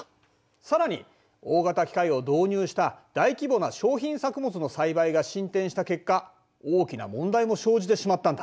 さらに大型機械を導入した大規模な商品作物の栽培が進展した結果大きな問題も生じてしまったんだ。